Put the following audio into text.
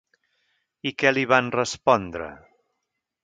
I què li van respondre?